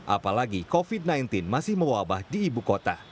apalagi covid sembilan belas masih mewabah di ibu kota